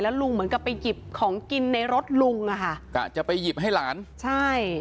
แล้วลุงเหมือนกับไปหยิบของกินในรถลุงจะไปหยิบให้หลานใช่